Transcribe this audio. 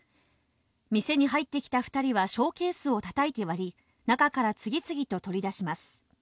店に入ってきた２人はショーケースをたたいて割り、中から次々と取り出します。